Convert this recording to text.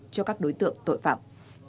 cho các đối tượng tội phạm